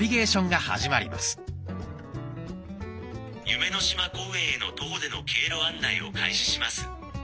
夢の島公園への徒歩での経路案内を開始します。